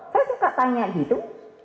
saya suka tanya gitu